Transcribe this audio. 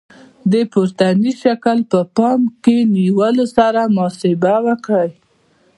د پورتني شکل په پام کې نیولو سره محاسبه وکړئ.